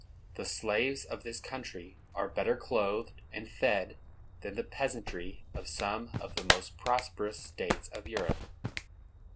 The slaves of this country are better clothed and fed than the peasantry of some of the most prosperous states of Europe.